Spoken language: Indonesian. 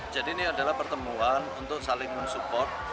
jadi ini adalah pertemuan untuk saling men support